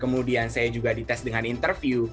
kemudian saya juga di tes dengan interview